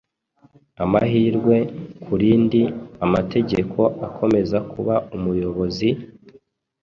Amahirwe kurindi, Amategeko akomeza kuba umuyobozi,